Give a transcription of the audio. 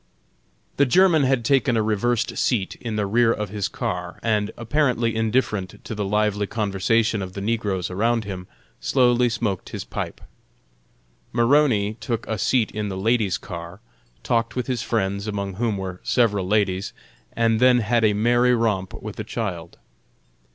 The German had taken a reversed seat in the rear of his car, and, apparently indifferent to the lively conversation of the negroes around him, slowly smoked his pipe. Maroney took a seat in the ladies' car, talked with his friends, among whom were several ladies, and then had a merry romp with a child.